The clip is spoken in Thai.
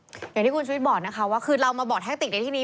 อย่างที่คุณชุวิตบอกนะคะว่าคือเรามาบอกแท็กติกในที่นี้